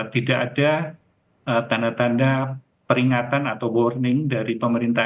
tidak ada tanda tanda peringatan atau warning dari pemerintah